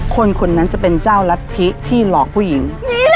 คนคนนั้นจะเป็นเจ้ารัฐธิที่หลอกผู้หญิง